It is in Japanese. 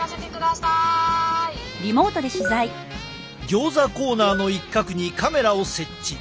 ギョーザコーナーの一角にカメラを設置。